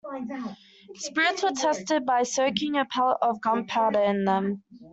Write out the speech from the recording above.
Spirits were tested by soaking a pellet of gunpowder in them.